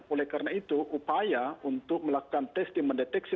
oleh karena itu upaya untuk melakukan testing mendeteksi